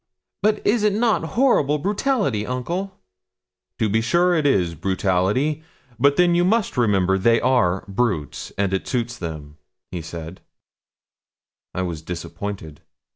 'But is it not horrible brutality, uncle?' 'To be sure it is brutality; but then you must remember they are brutes, and it suits them,' said he. I was disappointed.